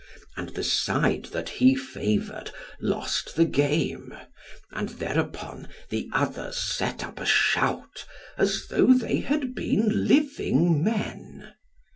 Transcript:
And the side that he favoured lost the game, and thereupon the others set up a shout, as though they had been living men.